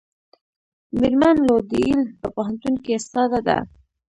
میرمن لو د ییل په پوهنتون کې استاده ده.